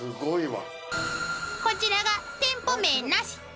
［こちらが店舗名なし］